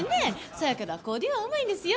そやけどアコーディオンはうまいんですよ